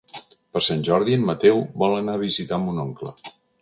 Per Sant Jordi en Mateu vol anar a visitar mon oncle.